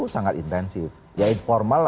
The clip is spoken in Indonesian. sangat intensif ya informal